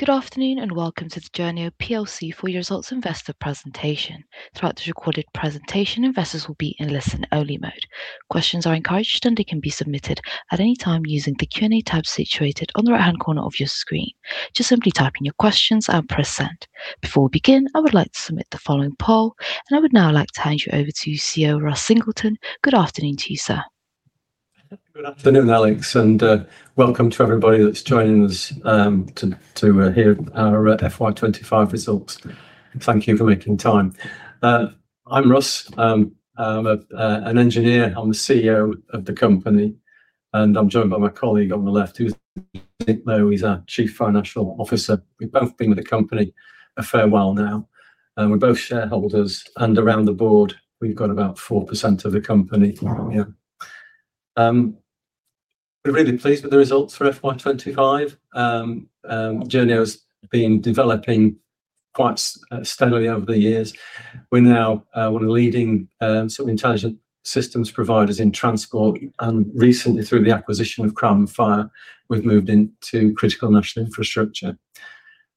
Good afternoon and welcome to the Journeo plc full year results investor presentation. Throughout the recorded presentation, investors will be in listen-only mode. Questions are encouraged, and they can be submitted at any time using the Q&A tab situated on the right-hand corner of your screen. Just simply type in your questions and press Send. Before we begin, I would like to submit the following poll, and I would now like to hand you over to CEO Russ Singleton. Good afternoon to you, sir. Good afternoon, Alex, and welcome to everybody that's joining us to hear our FY 2025 results. Thank you for making time. I'm Russ. I'm an engineer. I'm the CEO of the company, and I'm joined by my colleague on the left, who's Nick Lowe, our Chief Financial Officer. We've both been with the company a fair while now. We're both shareholders, and around the board, we've got about 4% of the company. We're really pleased with the results for FY 2025. Journeo has been developing quite stably over the years. We're now a leading sort of intelligent systems providers in transport, and recently through the acquisition of Crime and Fire, we've moved into critical national infrastructure.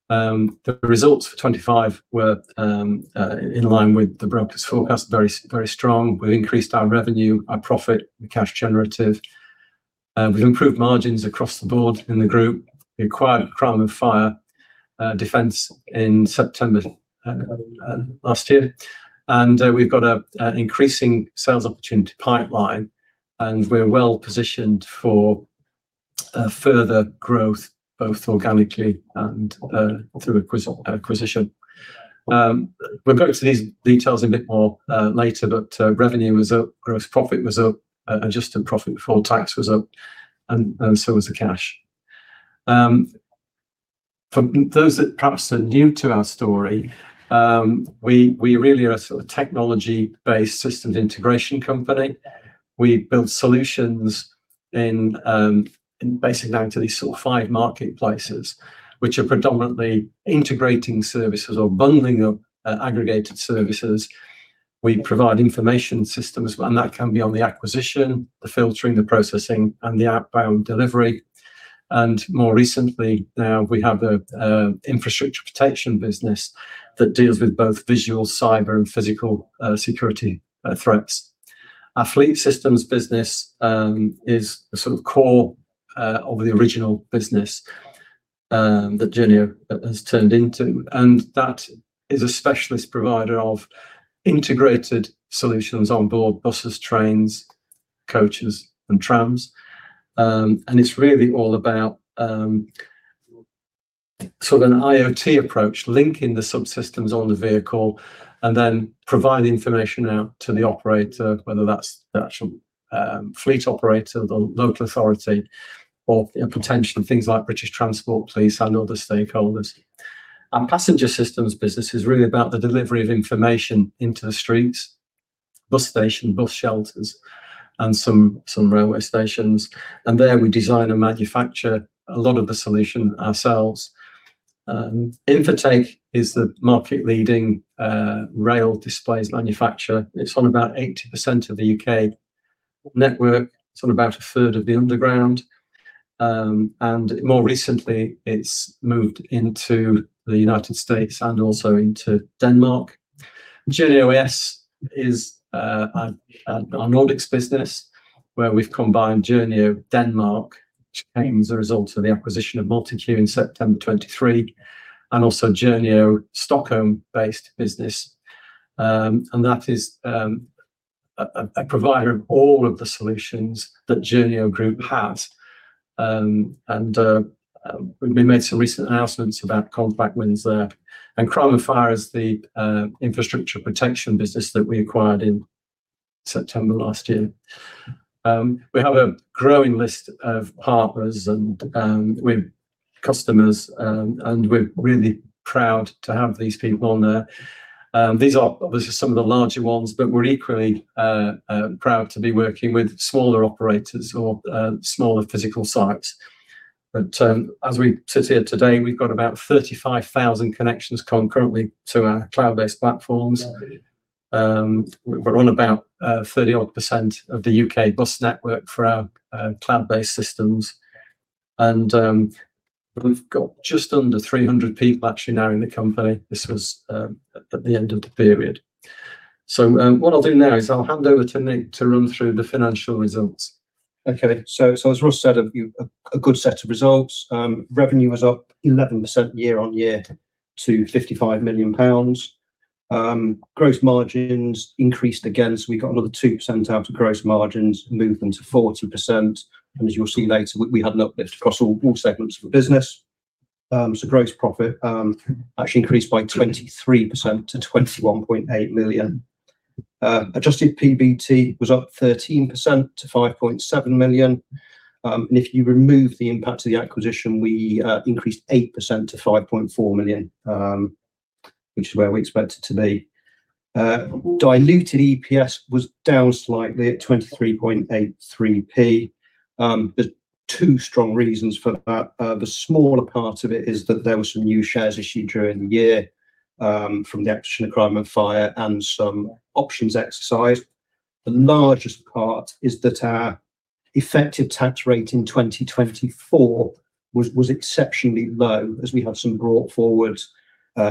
The results for 2025 were in line with the broker's forecast, very strong. We increased our revenue, our profit, the cash generative. We've improved margins across the board in the group. We acquired Crime and Fire Defence in September last year. We've got an increasing sales opportunity pipeline, and we're well-positioned for further growth, both organically and through acquisition. We'll go to these details a bit more later, but revenue was up, gross profit was up, adjusted profit before tax was up, and so was the cash. For those that perhaps are new to our story, we really are a sort of technology-based systems integration company. We build solutions in basically down to these sort of five marketplaces, which are predominantly integrating services or bundling up aggregated services. We provide information systems, and that can be on the acquisition, the filtering, the processing, and the outbound delivery. More recently now, we have an infrastructure protection business that deals with both visual, cyber, and physical security threats. Our fleet systems business is the sort of core of the original business that Journeo has turned into, and that is a specialist provider of integrated solutions on board buses, trains, coaches, and trams. It's really all about sort of an IoT approach, linking the subsystems on the vehicle and then providing information out to the operator, whether that's the actual fleet operator, the local authority, or potentially things like British Transport Police and other stakeholders. Our passenger systems business is really about the delivery of information into the streets, bus station, bus shelters, and some railway stations. There we design and manufacture a lot of the solution ourselves. Infotec is the market-leading rail displays manufacturer. It's on about 80% of the U.K. network. It's on about 1/3 of the underground. More recently, it's moved into the United States and also into Denmark. Journeo A/S is our Nordics business where we've combined Journeo Denmark, which came as a result of the acquisition of MultiQ in September 2023, and also Journeo, our Stockholm-based business. That is a provider of all of the solutions that Journeo Group has. We made some recent announcements about Campost wins there. Crime and Fire is the infrastructure protection business that we acquired in September last year. We have a growing list of partners and with customers, and we're really proud to have these people on there. These are obviously some of the larger ones, but we're equally proud to be working with smaller operators or smaller physical sites. As we sit here today, we've got about 35,000 connections concurrently to our cloud-based platforms. We're on about 30-odd% of the U.K. bus network for our cloud-based systems. We've got just under 300 people actually now in the company. This was at the end of the period. What I'll do now is I'll hand over to Nick to run through the financial results. Okay. As Russ said, a good set of results. Revenue was up 11% year-on-year to 55 million pounds. Gross margins increased again, so we got another 2% out of gross margins, moved them to 40%. As you'll see later, we had an uplift across all segments of the business. Gross profit actually increased by 23% to 21.8 million. Adjusted PBT was up 13% to 5.7 million. If you remove the impact of the acquisition, we increased 8% to 5.4 million, which is where we expectit to be. Diluted EPS was down slightly at 0.2383. There's two strong reasons for that. The smaller part of it is that there were some new shares issued during the year, from the acquisition of Crime and Fire and some options exercised. The largest part is that our effective tax rate in 2024 was exceptionally low as we had some brought forward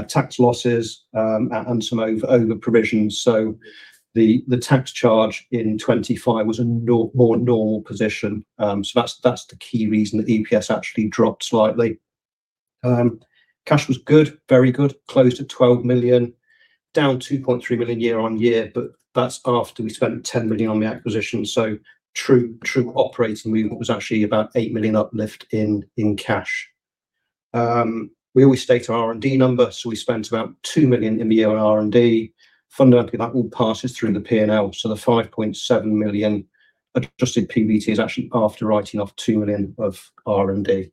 tax losses and some over provisions. The tax charge in 2025 was a more normal position. That's the key reason that the EPS actually dropped slightly. Cash was good, very good. Close to 12 million, down 2.3 million year-on-year, but that's after we spent 10 million on the acquisition. True operating was actually about 8 million uplift in cash. We always state our R&D numbers, so we spent about 2 million in the year on R&D. Fundamentally, that all passes through the P&L. The 5.7 million adjusted PBT is actually after writing off 2 million of R&D.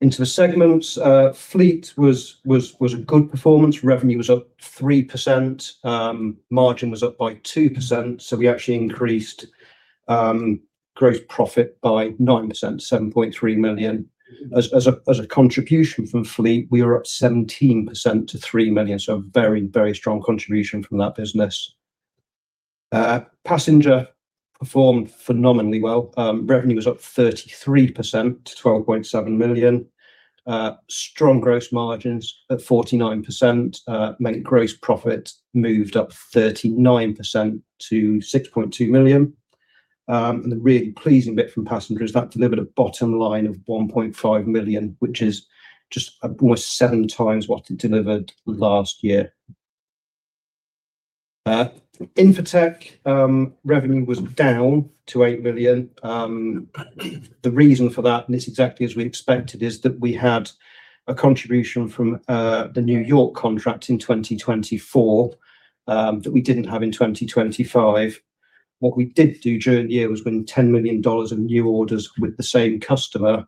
Into the segments, Fleet was a good performance. Revenue was up 3%. Margin was up by 2%. We actually increased gross profit by 9%, 7.3 million. As a contribution from Fleet, we are up 17% to 3 million. Very strong contribution from that business. Passenger performed phenomenally well. Revenue was up 33% to 12.7 million. Strong gross margins at 49% meant gross profit moved up 39% to 6.2 million. The really pleasing bit from Passenger is that it delivered a bottom line of 1.5 million, which is just almost 7x what it delivered last year. Infotec revenue was down to 8 million. The reason for that, it's exactly as we expected, is that we had a contribution from the New York contract in 2024 that we didn't have in 2025. What we did do during the year was win $10 million of new orders with the same customer,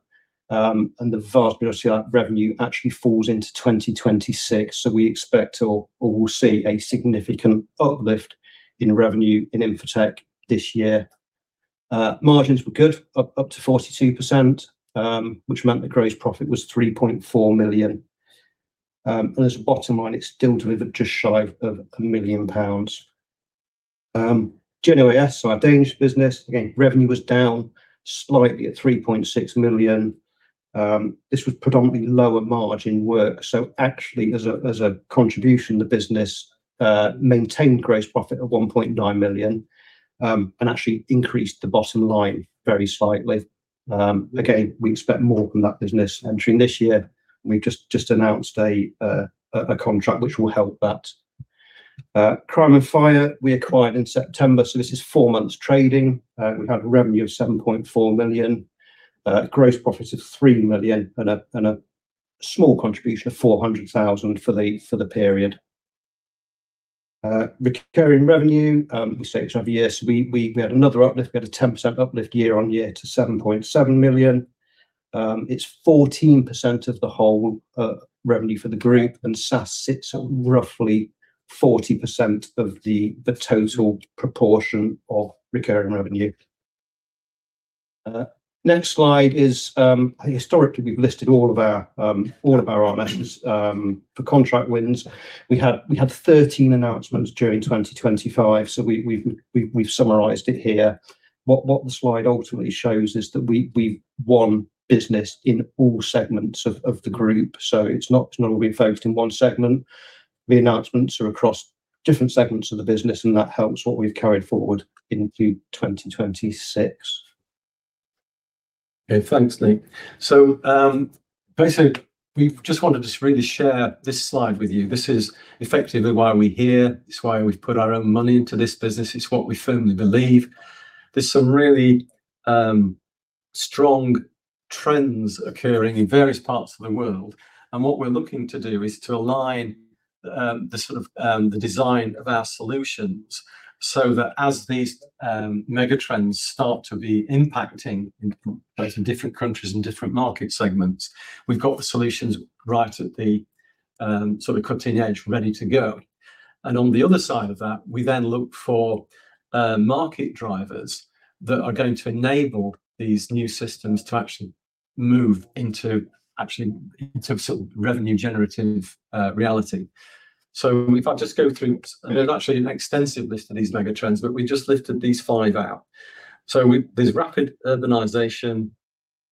and the vast majority of that revenue actually falls into 2026, so we expect or will see a significant uplift in revenue in Infotec this year. Margins were good, up to 42%, which meant the gross profit was 3.4 million. As a bottom line, it still delivered just shy of 1 million pounds. Journeo A/S, so our Danish business, again, revenue was down slightly at 3.6 million. This was predominantly lower margin work. Actually as a contribution, the business maintained gross profit of 1.9 million and actually increased the bottom line very slightly. Again, we expect more from that business entering this year, and we've just announced a contract which will help that. Crime and Fire we acquired in September, so this is four months trading. We had revenue of 7.4 million, gross profits of 3 million and a small contribution of 400,000 for the period. Recurring revenue, we say it's year-over-year, so we had another uplift. We had a 10% uplift year-on-year to 7.7 million. It's 14% of the whole revenue for the group, and SaaS sits at roughly 40% of the total proportion of recurring revenue. Next slide is historically, we've listed all of our RNS for contract wins. We had 13 announcements during 2025, so we've summarized it here. What the slide ultimately shows is that we've won business in all segments of the group. It's not all been focused in one segment. The announcements are across different segments of the business, and that helps what we've carried forward into 2026. Okay, thanks, Nick. Basically, we just wanted to really share this slide with you. This is effectively why we're here. It's why we've put our own money into this business. It's what we firmly believe. There's some really strong trends occurring in various parts of the world. What we're looking to do is to align the sort of the design of our solutions so that as these megatrends start to be impacting both in different countries and different market segments, we've got the solutions right at the sort of cutting edge, ready to go. On the other side of that, we then look for market drivers that are going to enable these new systems to actually move into sort of revenue generative reality. If I just go through, there's actually an extensive list of these megatrends, but we just lifted these five out. There's rapid urbanization,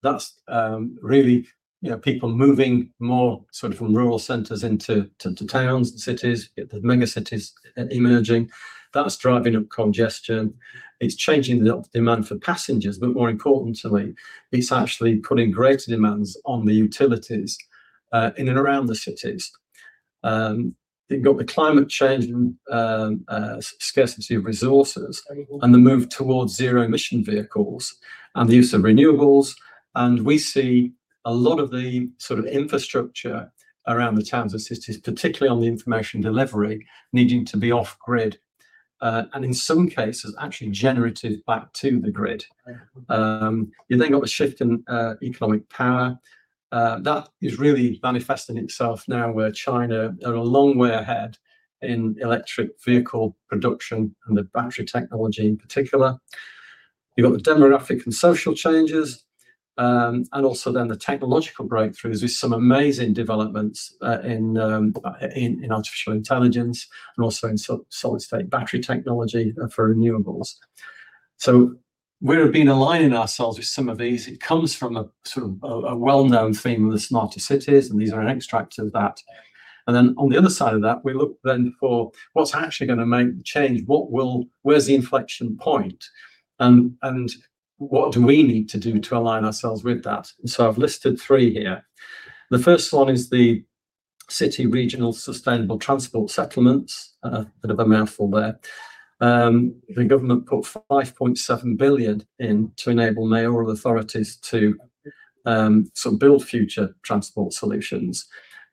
that's really, you know, people moving more sort of from rural centers into to towns and cities. You get the mega cities emerging. That's driving up congestion. It's changing the demand for passengers, but more importantly, it's actually putting greater demands on the utilities in and around the cities. You've got the climate change and scarcity of resources and the move towards zero emission vehicles and the use of renewables. We see a lot of the sort of infrastructure around the towns and cities, particularly on the information delivery, needing to be off grid and in some cases, actually generated back to the grid. You then got the shift in economic power. That is really manifesting itself now where China are a long way ahead in electric vehicle production and the battery technology in particular. You've got the demographic and social changes, and also then the technological breakthroughs with some amazing developments in artificial intelligence and also in solid state battery technology for renewables. So we have been aligning ourselves with some of these. It comes from a sort of a well-known theme of the smarter cities, and these are an extract of that. Then on the other side of that, we look then for what's actually gonna make the change. Where's the inflection point and what do we need to do to align ourselves with that? So I've listed three here. The first one is the City Region Sustainable Transport Settlements, a bit of a mouthful there. The government put 5.7 billion in to enable mayoral authorities to sort of build future transport solutions.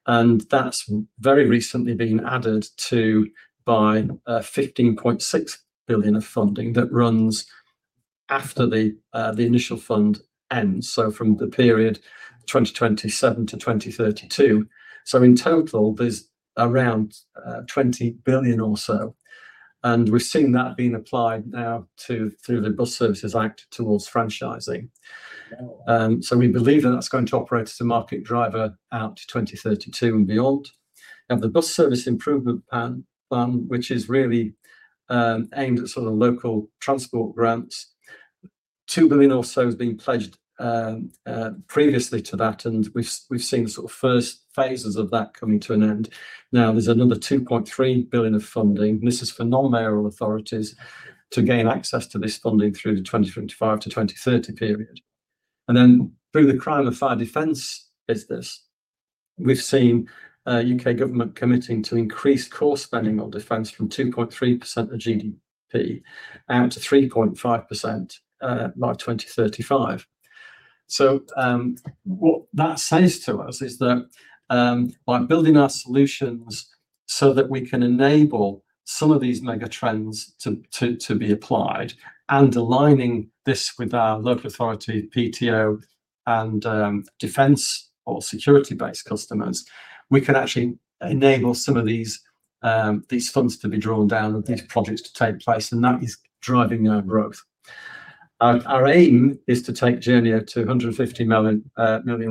That's very recently been added to by 15.6 billion of funding that runs after the initial fund ends, so from the period 2027 to 2032. In total, there's around 20 billion or so, and we're seeing that being applied now through the Bus Services Act towards franchising. We believe that that's going to operate as a market driver out to 2032 and beyond. The Bus Service Improvement Plan, which is really aimed at sort of local transport grants, 2 billion or so has been pledged previously to that, and we've seen sort of first phases of that coming to an end. Now there's 2.3 billion of funding. This is for non-mayoral authorities to gain access to this funding through the 2025 to 2030 period. Through the Crime and Fire Defence business, we've seen U.K. government committing to increase core spending on defense from 2.3% of GDP out to 3.5%, by 2035. What that says to us is that, by building our solutions so that we can enable some of these mega trends to be applied and aligning this with our local authority, PTO and defense or security-based customers, we can actually enable some of these funds to be drawn down and these projects to take place, and that is driving our growth. Our aim is to take Journeo to 150 million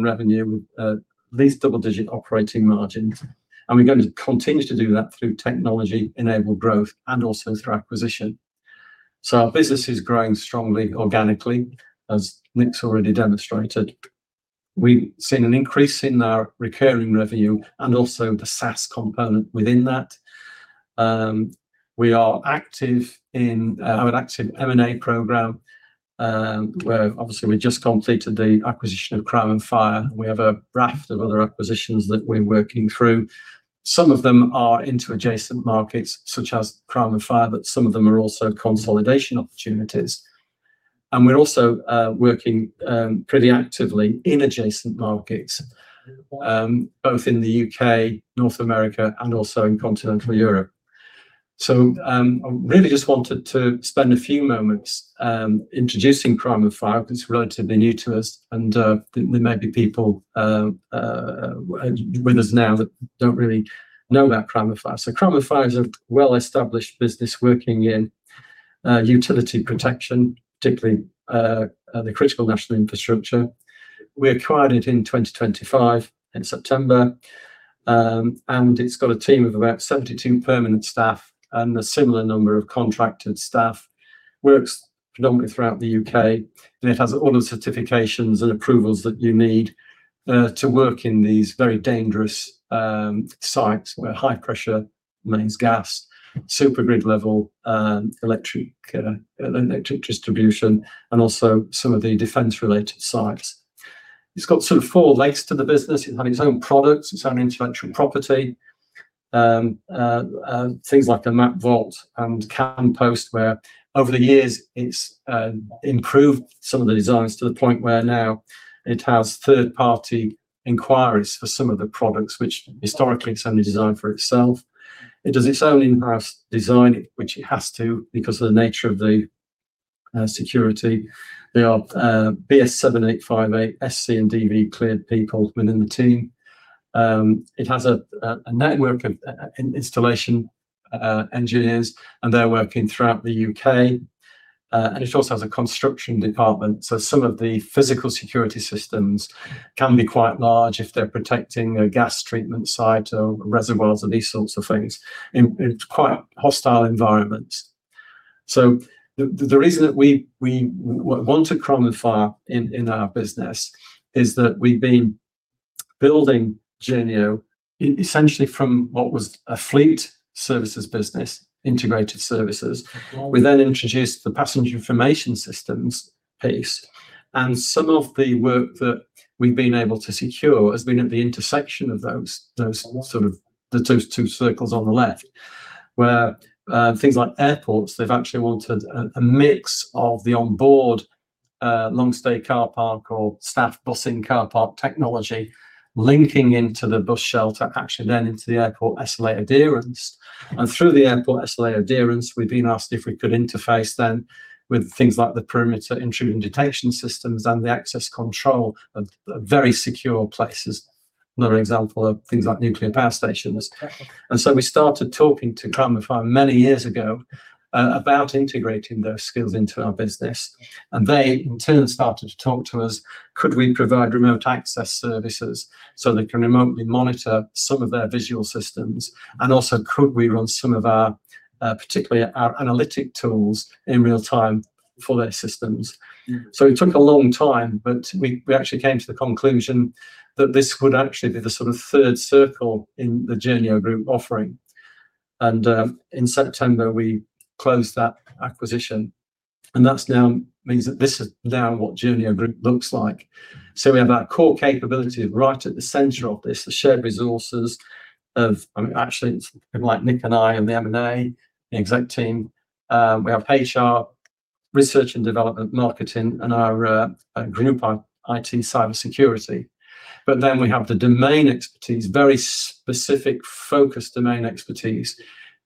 revenue, at least double-digit operating margins, and we're going to continue to do that through technology-enabled growth and also through acquisition. Our business is growing strongly organically, as Nick's already demonstrated. We've seen an increase in our recurring revenue and also the SaaS component within that. We have an active M&A program, where obviously we just completed the acquisition of Crime and Fire, and we have a raft of other acquisitions that we're working through. Some of them are into adjacent markets such as Crime and Fire, but some of them are also consolidation opportunities. We're also working pretty actively in adjacent markets, both in the U.K., North America, and also in continental Europe. I really just wanted to spend a few moments introducing Crime and Fire because it's relatively new to us and there may be people with us now that don't really know about Crime and Fire. Crime and Fire is a well-established business working in utility protection, particularly the critical national infrastructure. We acquired it in 2025 in September, and it's got a team of about 72 permanent staff and a similar number of contracted staff. It works predominantly throughout the U.K., and it has all the certifications and approvals that you need to work in these very dangerous sites where high pressure mains gas, super grid level electric distribution, and also some of the defense-related sites. It's got sort of four legs to the business. It has its own products, its own intellectual property, things like the Map Vault and Campost, where over the years it's improved some of the designs to the point where now it has third-party inquiries for some of the products, which historically it's only designed for itself. It does its own in-house design, which it has to, because of the nature of the security. There are BS 7858 SC and DV cleared people within the team. It has a network of installation engineers, and they're working throughout the U.K. It also has a construction department, so some of the physical security systems can be quite large if they're protecting a gas treatment site or reservoirs and these sorts of things in quite hostile environments. The reason that we want a Crime and Fire in our business is that we've been building Journeo essentially from what was a fleet services business, integrated services. We then introduced the passenger information systems piece, and some of the work that we've been able to secure has been at the intersection of those sort of, the two circles on the left, where things like airports, they've actually wanted a mix of the onboard long stay car park or staff busing car park technology linking into the bus shelter, actually then into the airport escalator adherence. Through the airport escalator adherence, we've been asked if we could interface then with things like the perimeter intrusion detection systems and the access control of very secure places, another example of things like nuclear power stations. We started talking to Crime and Fire many years ago, about integrating those skills into our business, and they in turn started to talk to us. Could we provide remote access services so they can remotely monitor some of their visual systems? Could we run some of our, particularly our analytic tools in real time for their systems? Yeah. It took a long time, but we actually came to the conclusion that this would actually be the sort of third circle in the Journeo Group offering. In September, we closed that acquisition, and that now means that this is now what Journeo Group looks like. We have our core capability right at the center of this, the shared resources of, actually it's people like Nick and I and the M&A, the exec team, we have HR, research and development, marketing, and our group IT, cyber security. Then we have the domain expertise, very specific focused domain expertise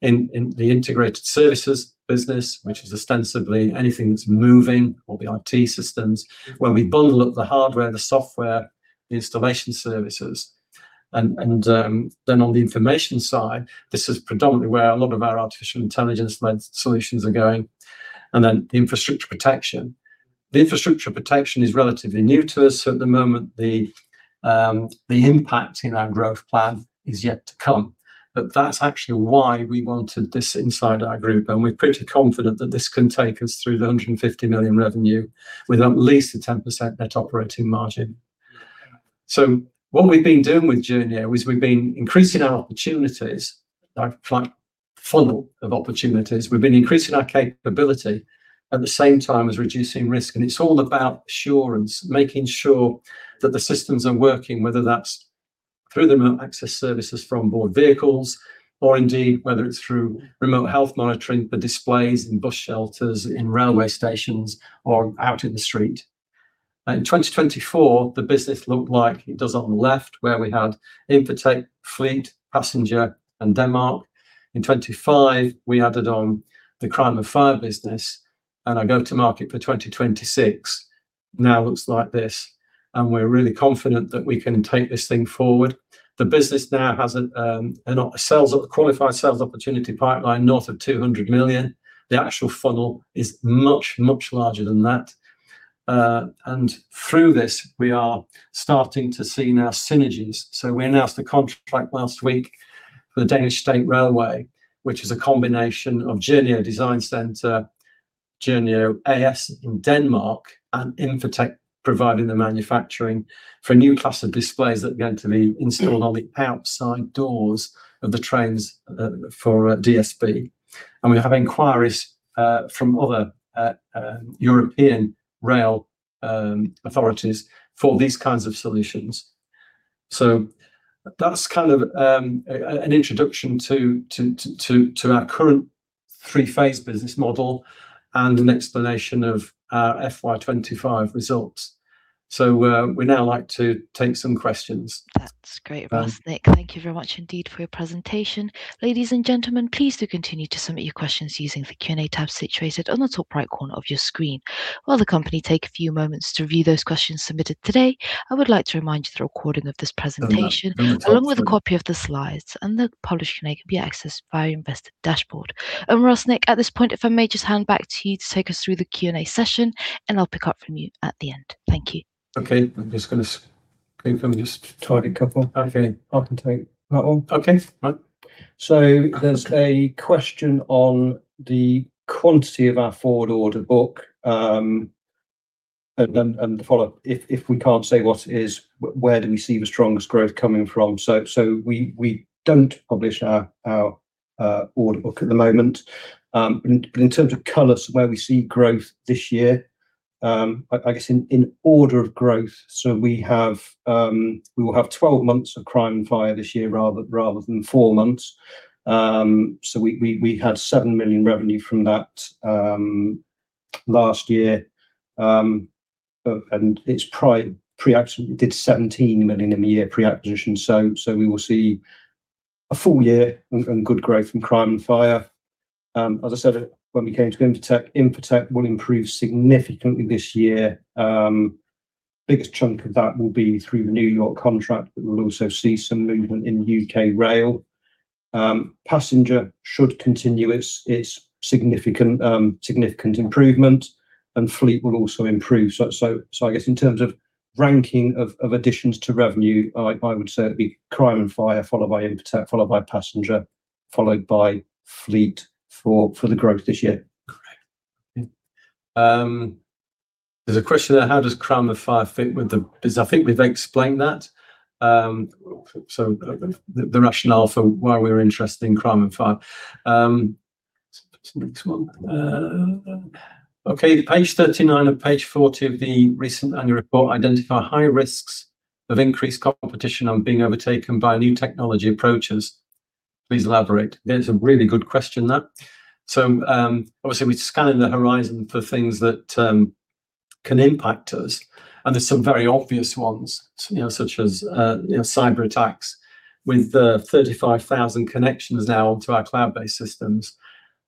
in the integrated services business, which is ostensibly anything that's moving, all the IT systems, where we bundle up the hardware, the software, the installation services. On the information side, this is predominantly where a lot of our artificial intelligence led solutions are going, and the infrastructure protection. The infrastructure protection is relatively new to us, so at the moment the impact in our growth plan is yet to come. That's actually why we wanted this inside our group, and we're pretty confident that this can take us through the 150 million revenue with at least a 10% net operating margin. What we've been doing with Journeo is we've been increasing our opportunities, our like funnel of opportunities. We've been increasing our capability at the same time as reducing risk. It's all about assurance, making sure that the systems are working, whether that's through the remote access services for onboard vehicles or indeed whether it's through remote health monitoring for displays in bus shelters, in railway stations or out in the street. In 2024, the business looked like it does on the left, where we had Infotec, Fleet, Passenger and Denmark. In 2025 we added on the Crime and Fire business, and our go-to-market for 2026 now looks like this, and we're really confident that we can take this thing forward. The business now has a qualified sales opportunity pipeline north of 200 million. The actual funnel is much, much larger than that. Through this we are starting to see now synergies. We announced a contract last week for the Danish State Railways, which is a combination of Journeo Design Centre, Journeo A/S in Denmark and Infotec, providing the manufacturing for a new class of displays that are going to be installed on the outside doors of the trains for DSB. We have inquiries from other European rail authorities for these kinds of solutions. That's kind of an introduction to our current three-phase business model and an explanation of our FY 2025 results. We'd now like to take some questions. That's great, Russ, Nick, thank you very much indeed for your presentation. Ladies and gentlemen, please do continue to submit your questions using the Q&A tab situated on the top right corner of your screen. While the company take a few moments to review those questions submitted today, I would like to remind you that a recording of this presentation- No, no, that's fine. Along with a copy of the slides and the published Q&A can be accessed via your investor dashboard. Russ, Nick, at this point, if I may just hand back to you to take us through the Q&A session, and I'll pick up from you at the next. Thank you. Okay, I'm just gonna... Okay. Let me just try a couple. Okay. I can take that one. Okay. Right. There's a question on the quantity of our forward order book. The follow-up, if we can't say what it is, where do we see the strongest growth coming from? We don't publish our order book at the moment. But in terms of color, where we see growth this year, I guess in order of growth. We will have 12 months of Crime and Fire this year rather than four months. We had 7 million revenue from that last year. It did 17 million in the year pre-acquisition. We will see a full year and good growth from Crime and Fire. As I said, when we came to Infotec will improve significantly this year. Biggest chunk of that will be through the New York contract, but we'll also see some movement in U.K. rail. Passenger should continue its significant improvement, and Fleet will also improve. I guess in terms of ranking of additions to revenue, I would say it'd be Crime and Fire, followed by Infotec, followed by Passenger, followed by Fleet for the growth this year. Great. Yeah. There's a question there, how does Crime and Fire fit with the business? I think we've explained that, so the rationale for why we're interested in Crime and Fire. Next one. Okay, page 39 and page 40 of the recent annual report identify high risks of increased competition on being overtaken by new technology approaches. Please elaborate. That's a really good question, that. Obviously we're scanning the horizon for things that can impact us, and there's some very obvious ones, you know, such as, you know, cyberattacks. With the 35,000 connections now to our cloud-based systems,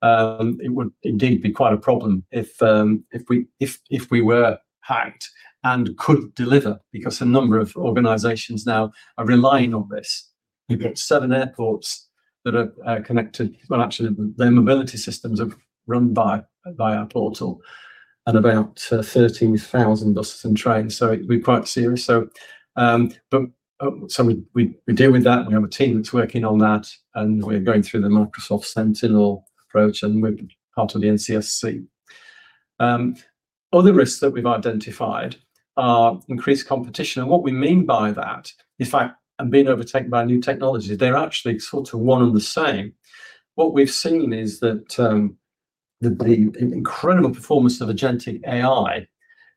it would indeed be quite a problem if we were hacked and couldn't deliver because a number of organizations now are relying on this. We've got seven airports that are connected. Well, actually their mobility systems are run by our portal and about 13,000 buses and trains. It'd be quite serious. We deal with that. We have a team that's working on that, and we are going through the Microsoft Sentinel approach, and we're part of the NCSC. Other risks that we've identified are increased competition. What we mean by that, in fact, and being overtaken by new technology, they're actually sort of one and the same. What we've seen is that the incredible performance of agentic AI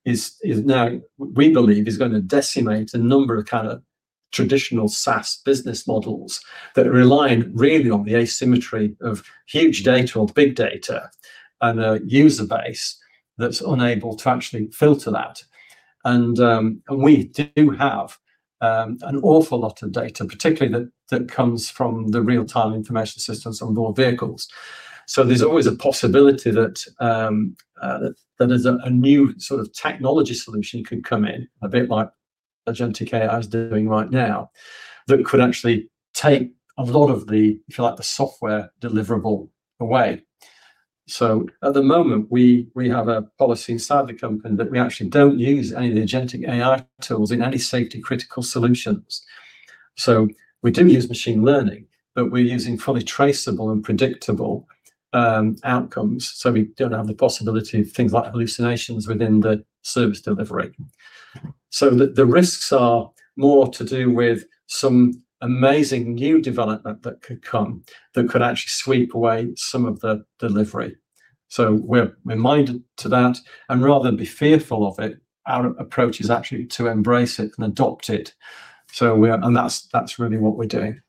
is now, we believe, gonna decimate a number of kind of traditional SaaS business models that rely really on the asymmetry of huge data or big data, and a user base that's unable to actually filter that. We do have an awful lot of data particularly that comes from the real-time information systems on board vehicles. There's always a possibility that there's a new sort of technology solution could come in, a bit like agentic AI is doing right now that could actually take a lot of the, if you like, the software deliverable away. At the moment, we have a policy inside the company that we actually don't use any of the agentic AI tools in any safety critical solutions. We do use machine learning, but we're using fully traceable and predictable outcomes, so we don't have the possibility of things like hallucinations within the service delivery. The risks are more to do with some amazing new development that could come, that could actually sweep away some of the delivery. We're minded to that, and rather than be fearful of it, our approach is actually to embrace it and adopt it. That's really what we're doing.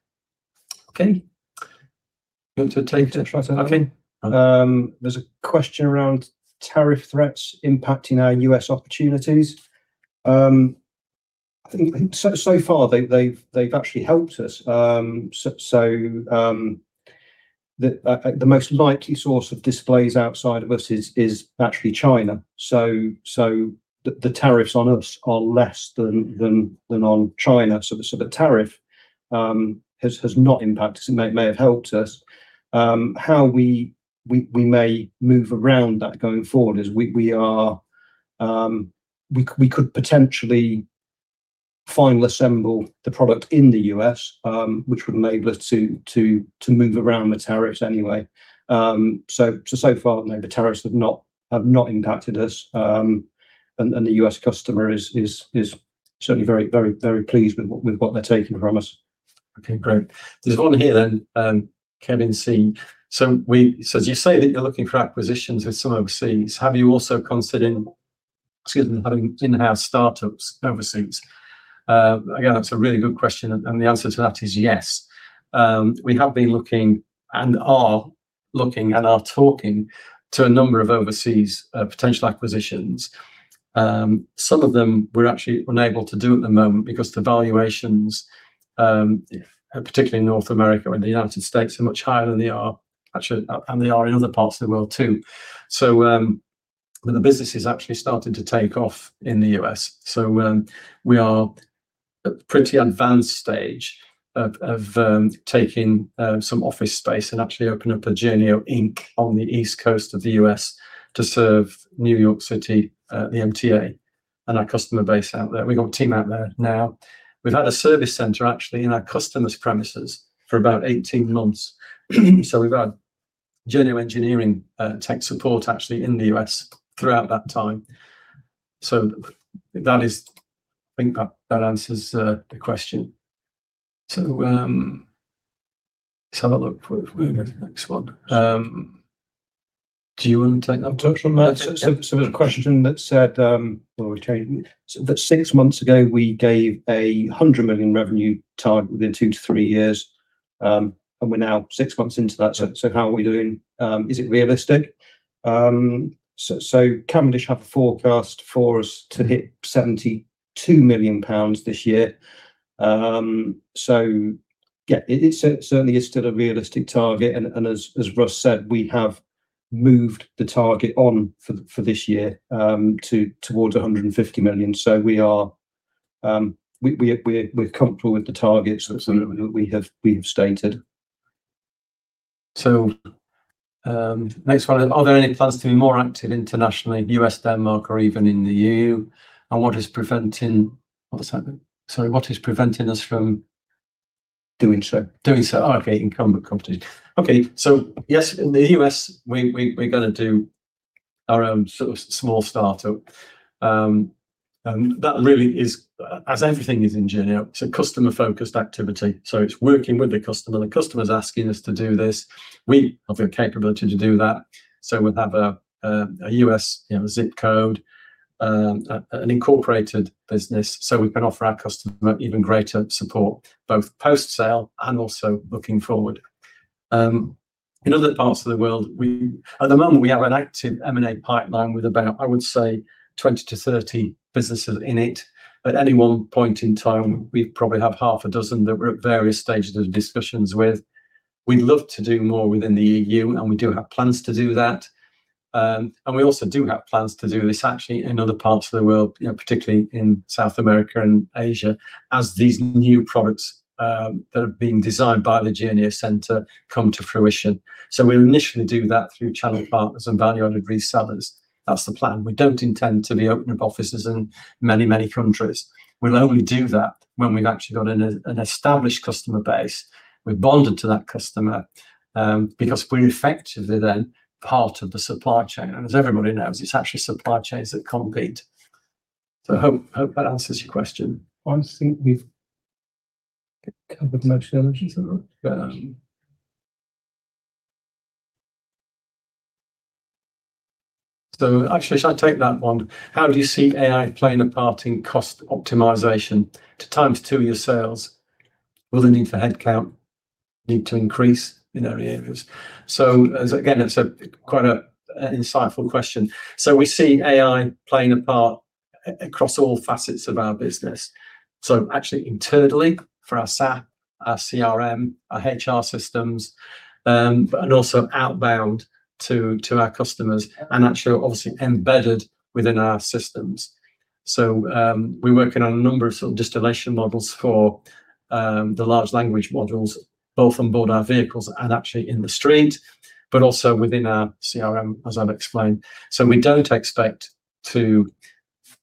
Okay. Do you want to take this one from Adam? There's a question around tariff threats impacting our U.S. opportunities. I think so far they've actually helped us. The most likely source of displays outside of us is actually China. The tariffs on us are less than on China. The sort of tariff has not impacted us. It may have helped us. How we may move around that going forward is we could potentially final assemble the product in the U.S., which would enable us to move around the tariffs anyway. So far, no, the tariffs have not impacted us. The U.S. customer is certainly very pleased with what they're taking from us. Okay, great. There's one here then, Kevin C. As you say that you're looking for acquisitions with some overseas, have you also considered, excuse me, having in-house startups overseas? Again, that's a really good question, and the answer to that is yes. We have been looking and are talking to a number of overseas potential acquisitions. Some of them we're actually unable to do at the moment because the valuations, particularly in North America or the United States, are much higher than they actually are in other parts of the world too. The business is actually starting to take off in the U.S. We are at pretty advanced stage of taking some office space and actually open up a Journeo Inc. on the East Coast of the U.S. to serve New York City, the MTA and our customer base out there. We've got a team out there now. We've had a service center actually in our customer's premises for about 18 months. We've had Journeo engineering tech support actually in the U.S. throughout that time. That is. I think that answers the question. Let's have a look. We can go to the next one. Do you wanna take that one? Sure. There's a question that said, well, we've changed that six months ago we gave 100 million revenue target within two to three years, and we're now six months into that. How are we doing? Is it realistic? Cavendish have forecast for us to hit 72 million pounds this year. Yeah, it certainly is still a realistic target. And as Russ said, we have moved the target on for this year towards 150 million. We are comfortable with the targets that we have stated. Next one. Are there any plans to be more active internationally, U.S., Denmark or even in the EU? And what is preventing us from doing so? Incumbent competition. Yes, in the U.S., we're gonna do our own sort of small startup. That really is, as everything is in Journeo, it's a customer-focused activity, so it's working with the customer. The customer's asking us to do this. We have the capability to do that. We'll have a U.S. zip code, you know, an incorporated business, so we can offer our customer even greater support both post-sale and also looking forward. In other parts of the world, at the moment, we have an active M&A pipeline with about, I would say, 20-30 businesses in it. At any one point in time, we probably have half a dozen that we're at various stages of discussions with. We'd love to do more within the EU, and we do have plans to do that. We also do have plans to do this actually in other parts of the world, you know, particularly in South America and Asia, as these new products that have been designed by the Journeo Centre come to fruition. We'll initially do that through channel partners and value-added resellers. That's the plan. We don't intend to be opening up offices in many countries. We'll only do that when we've actually got an established customer base. We're bonded to that customer because we're effectively then part of the supply chain. As everybody knows, it's actually supply chains that compete. I hope that answers your question. I think we've covered most of those. Actually, should I take that one? How do you see AI playing a part in cost optimization to 2x your sales? Will the need for headcount increase in areas? Again, it's quite an insightful question. We see AI playing a part across all facets of our business. Actually internally for our SAP, our CRM, our HR systems, and also outbound to our customers, and actually obviously embedded within our systems. We're working on a number of sort of distillation models for the large language models, both on board our vehicles and actually in the street, but also within our CRM, as I've explained. We don't expect to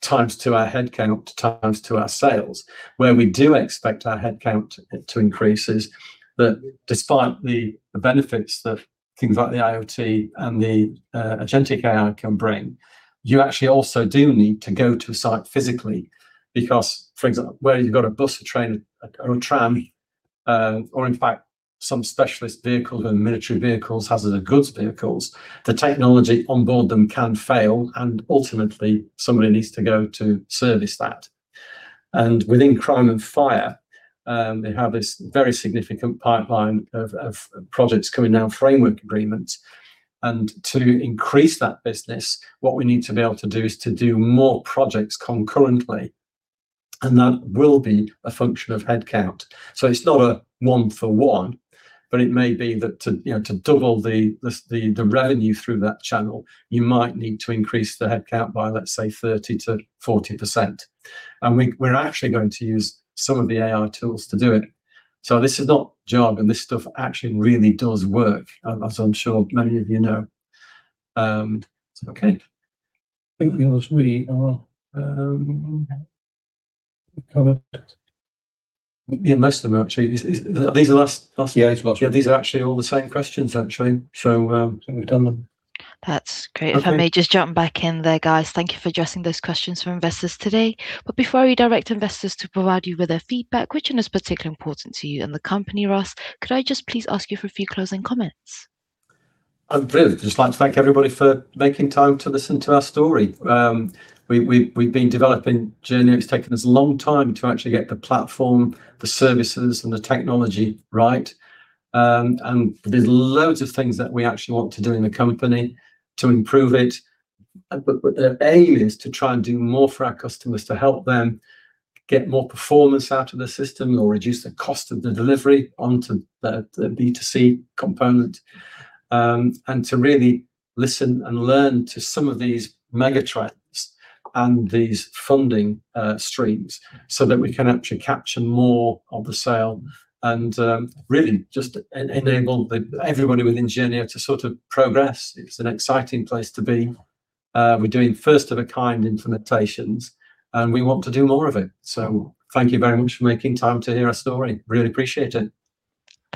2x our headcount to 2x our sales. Where we do expect our headcount to increase is that despite the benefits that things like the IoT and the agentic AI can bring, you actually also do need to go to a site physically because, for example, where you've got a bus, a train or a tram, or in fact some specialist vehicle and military vehicles, hazardous goods vehicles, the technology on board them can fail, and ultimately somebody needs to go to service that. Within Crime and Fire, they have this very significant pipeline of projects coming down framework agreements. To increase that business, what we need to be able to do is to do more projects concurrently, and that will be a function of headcount. It's not a one for one, but it may be that to double the revenue through that channel, you might need to increase the headcount by, let's say, 30%-40%. We're actually going to use some of the AI tools to do it. This is not jargon. This stuff actually really does work, as I'm sure many of you know. Okay. I think yours, we are, covered. Yeah, most of them actually. These are the last. Yeah. These are actually all the same questions actually. Think we've done them. That's great. Okay. If I may just jump back in there, guys. Thank you for addressing those questions from investors today. Before we direct investors to provide you with their feedback, which one is particularly important to you and the company, Russ, could I just please ask you for a few closing comments? I'd really just like to thank everybody for making time to listen to our story. We've been developing Journeo. It's taken us a long time to actually get the platform, the services and the technology right. There's loads of things that we actually want to do in the company to improve it. The aim is to try and do more for our customers to help them get more performance out of the system or reduce the cost of the delivery onto the B2C component, and to really listen and learn to some of these mega trends and these funding streams so that we can actually capture more of the sale and really just enable everybody within Journeo to sort of progress. It's an exciting place to be. We're doing first of a kind implementations, and we want to do more of it. Thank you very much for making time to hear our story. Really appreciate it.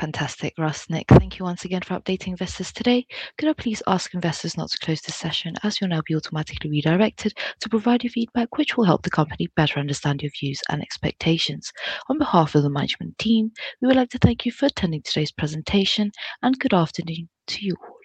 Fantastic. Russ, Nick, thank you once again for updating investors today. Could I please ask investors not to close this session, as you'll now be automatically redirected to provide your feedback, which will help the company better understand your views and expectations. On behalf of the management team, we would like to thank you for attending today's presentation, and good afternoon to you all.